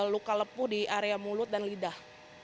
luka lepuh di area mulut dan lidah